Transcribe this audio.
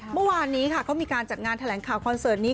เมื่อวานนี้ค่ะเขามีการจัดงานแถลงข่าวคอนเสิร์ตนี้